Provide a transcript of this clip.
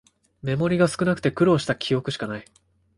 メモリが少なくて苦労した記憶しかない